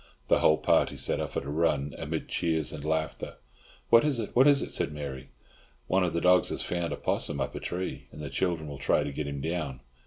The whole party set off at a run, amid cheers and laughter. "What is it, what is it?" said Mary. "One of the dogs has found a 'possum up a tree, and the children will try to get him down.